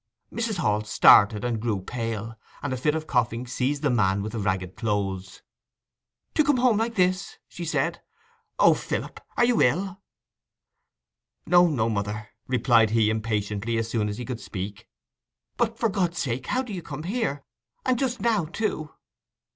Mrs. Hall started, and grew pale, and a fit of coughing seized the man with the ragged clothes. 'To come home like this!' she said. 'O, Philip—are you ill?' 'No, no, mother,' replied he impatiently, as soon as he could speak. 'But for God's sake how do you come here—and just now too?